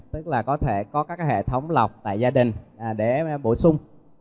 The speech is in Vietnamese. tức là có thể có các hệ thống lọc tại gia đình để bổ sung